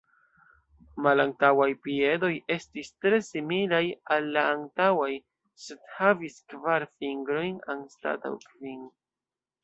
Malantaŭaj piedoj estis tre similaj al la antaŭaj, sed havis kvar fingrojn anstataŭ kvin.